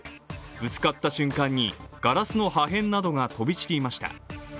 ぶつかった瞬間にガラスの破片などが飛び散りました。